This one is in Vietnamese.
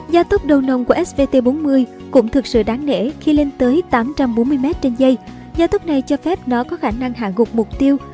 gia tốc đầu nồng của svt bốn mươi cũng thực sự đáng nể khi lên tới tám trăm bốn mươi m trên dây giao thông này cho phép nó có khả năng hạng gục mục tiêu